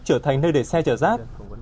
trở thành nơi để xe chở rác